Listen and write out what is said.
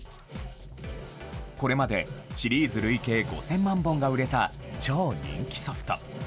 これまでシリーズ累計５０００万本が売れた超人気ソフト。